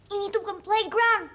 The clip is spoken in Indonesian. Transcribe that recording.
ini tuh bukan playground